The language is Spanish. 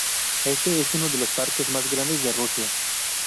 Este es uno de los parques más grandes de Rusia.